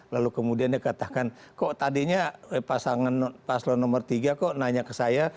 lalu kemudian dia katakan kok tadinya pasangan paslon nomor tiga kok nanya ke saya